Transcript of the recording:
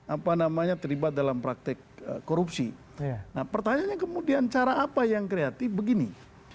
apa namanya terlibat dalam praktek korupsi nah pertanyaannya kemudian cara apa yang kreatif begini